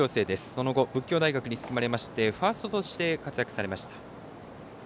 その後、大学に進まれましてファーストとして活躍されました。